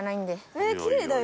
えっきれいだよ。